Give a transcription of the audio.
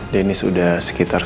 dennis udah sekitar